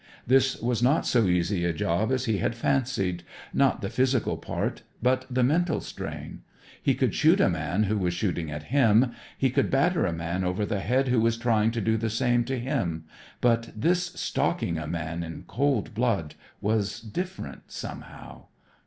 This was not so easy a job as he had fancied, not the physical part, but the mental strain. He could shoot a man who was shooting at him, he could batter a man over the head who was trying to do the same to him, but this stalking a man in cold blood was different somehow.